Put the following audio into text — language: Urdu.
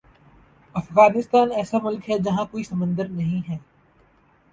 افغانستان ایسا ملک ہے جہاں کوئی سمندر نہیں ہے